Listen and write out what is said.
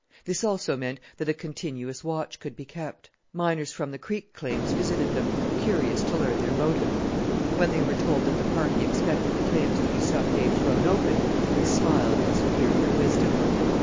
This also meant that a continuous watch could be kept. Miners from the creek claims visited them, curious to learn their motive. When they were told that the party expected the claims to be some day thrown open, they smiled in superior wisdom.